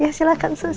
ya silahkan sus